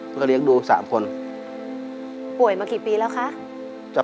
เปลี่ยนเพลงเพลงเก่งของคุณและข้ามผิดได้๑คำ